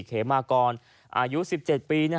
เขมากรอายุ๑๗ปี